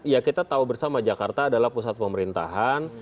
ya kita tahu bersama jakarta adalah pusat pemerintahan